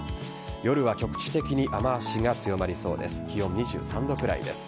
夜は局地的に雨脚が強まりそうです。